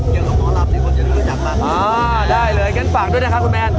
เกี่ยวกับมองรับที่คนอยู่ข้างหลังจากบ้างอ่าได้เลยงั้นฝากด้วยนะครับคุณแมน